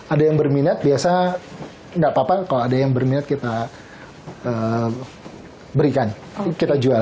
ada yang berminat biasa nggak apa apa kalau ada yang berminat kita berikan kita jual